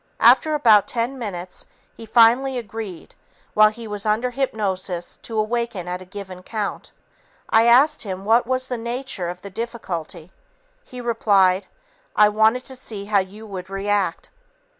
After about ten minutes, he finally agreed while he was under hypnosis to awaken at a given count. I asked him what was the nature of the difficulty. He replied, "I wanted to see how you would react."